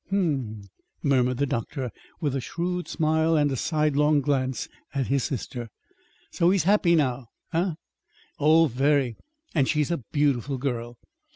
"Hm m," murmured the doctor, with a shrewd smile and a sidelong glance at his sister. "So he's happy now, eh?" "Oh, very! And she's a beautiful girl."